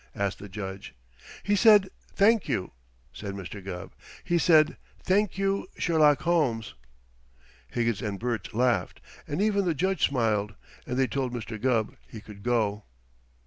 asked the Judge. "He said, 'Thank you,'" said Mr. Gubb. "He said, 'Thank you, Sherlock Holmes.'" Higgins and Burch laughed, and even the Judge smiled, and they told Mr. Gubb he could go.